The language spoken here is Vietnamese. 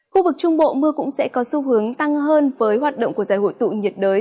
khu vực trung bộ mưa cũng sẽ có xu hướng tăng hơn với hoạt động của giải hội tụ nhiệt đới